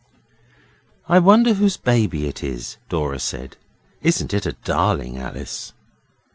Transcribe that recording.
'I wonder whose baby it is,' Dora said. 'Isn't it a darling, Alice?